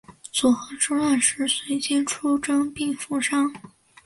佐贺之乱时随军出征并负伤。